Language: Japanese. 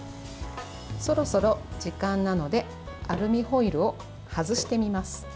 そろそろ時間なのでアルミホイルを外してみます。